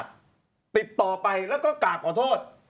ติดต่อไปแล้วก็กล่าวขอโทษ